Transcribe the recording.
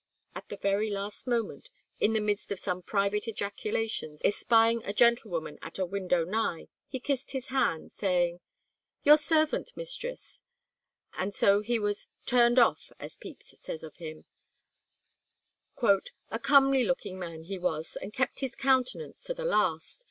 '" At the very last moment, in the midst of some private ejaculations, espying a gentlewoman at a window nigh, he kissed his hand, saying, "Your servant, mistress," and so he was "turned off," as Pepys says of him, "a comely looking man he was, and kept his countenance to the last.